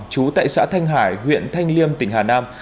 trú tại xã thanh hải huyện thanh liêm tỉnh hà nam